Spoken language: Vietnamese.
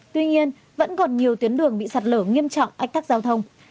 tuy nhiên vẫn còn nhiều tuyến đường bị sạt lở nghiêm trọng ách tắc giao thông